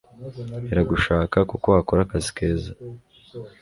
Iragushaka kuko wakora akazi keza,